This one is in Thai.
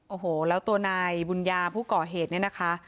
โอ้โหแล้วตัวนายบุญญาผู้ก่อเหตุเนี่ยนะคะ